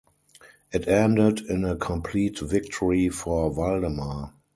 It ended in a complete victory for Valdemar.